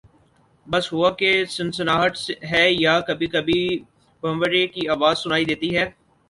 بس ہوا کی سنسناہٹ ہے یا کبھی کبھی بھنورے کی آواز سنائی دیتی